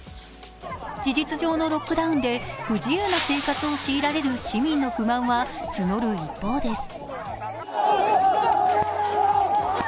事実上のロックダウンで不自由な生活を強いられる市民の不満は募る一方です。